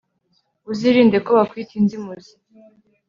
uzirinde ko bakwita inzimuzi